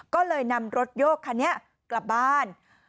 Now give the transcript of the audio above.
ก็เลยนำรถโยกคันนี้กลับบ้าน